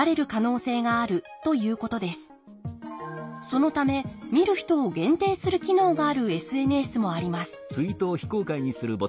そのため見る人を限定する機能があるＳＮＳもあります